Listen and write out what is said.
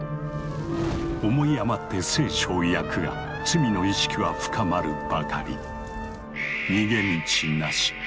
思い余って「聖書」を焼くが罪の意識は深まるばかり。